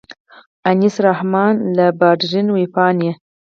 انیس الرحمن له باډرلاین وېبپاڼې.